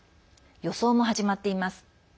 予想も始まっています。